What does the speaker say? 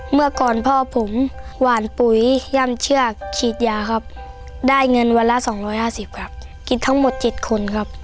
เมื่อก่อนพ่อผมหวานปุ๋ยย่ำเชือกฉีดยาครับได้เงินวันละ๒๕๐ครับกินทั้งหมด๗คนครับ